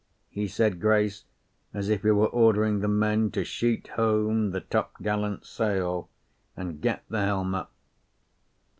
He said grace as if he were ordering the men to sheet home the topgallant sail and get the helm up.